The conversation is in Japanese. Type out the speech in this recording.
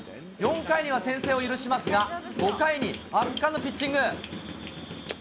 ４回には先制を許しますが、５回に圧巻のピッチング。